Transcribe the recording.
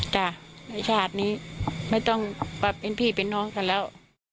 จ้ะในชาตินี้ไม่ต้องมาเป็นพี่เป็นน้องกันแล้ว